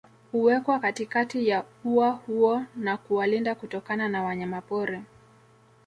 Huwekwa katikati ya ua huo na kuwalinda kutokana na wanyamapori